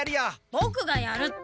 ボクがやるって！